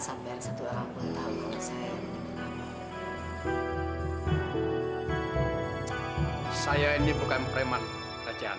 sampai salah orang pun tahu saya ini banjiran hai saya ini bukan premen tian